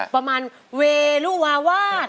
ประมาณเวลุวาวาส